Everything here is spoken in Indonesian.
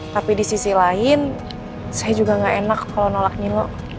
tapi di sisi lain saya juga gak enak kalau nolak nimo